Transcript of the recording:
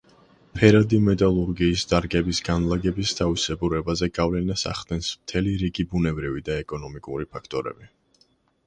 ფერადი მეტალურგიის დარგების განლაგების თავისებურებაზე გავლენას ახდენს მთელი რიგი ბუნებრივი და ეკონომიკური ფაქტორები.